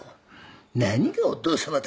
何が「お父さま」だ。